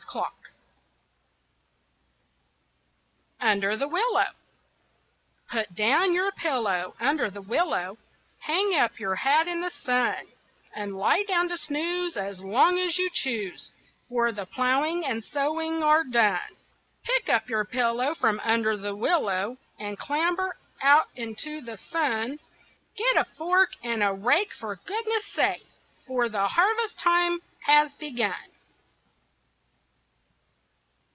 [Illustration: TICK, TOCK! TICK, TOCK! FORTY 'LEVEN BY THE CLOCK] UNDER THE WILLOW Put down your pillow under the willow, Hang up your hat in the sun, And lie down to snooze as long as you choose, For the plowing and sowing are done. Pick up your pillow from under the willow, And clamber out into the sun. Get a fork and a rake for goodness' sake, For the harvest time has begun.